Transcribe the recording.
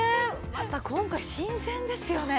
また今回新鮮ですよね。